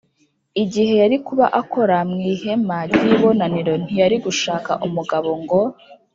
Igihe yari kuba akora mu ihema ry ibonaniro ntiyari gushaka umugabo ngo